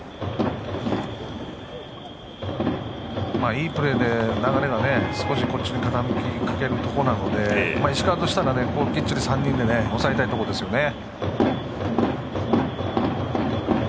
いいプレーで流れが少し傾きかけたところなので石川としては３人目で抑えたいところですね。